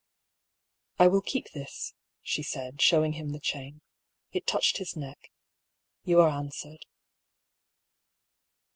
" I will keep this," she said, showing him the chain. " It touched his neck. You are answered."